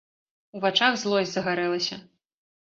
У вачах злосць загарэлася.